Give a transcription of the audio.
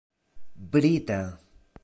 brita